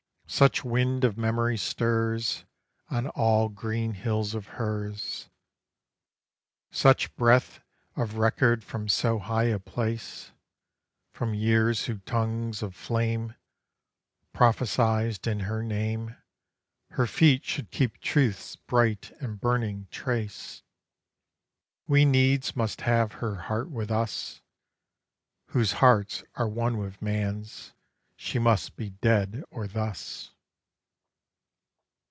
Such wind of memory stirs On all green hills of hers, Such breath of record from so high a place, From years whose tongues of flame Prophesied in her name Her feet should keep truth's bright and burning trace, We needs must have her heart with us, Whose hearts are one with man's; she must be dead or thus.